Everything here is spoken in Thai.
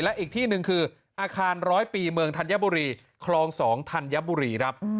และอีกที่หนึ่งคืออาคารร้อยปีเมืองธัญบุรีคลอง๒ธัญบุรีครับ